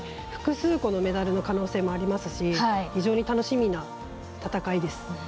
複数個のメダルの可能性もありますし非常に楽しみな戦いです。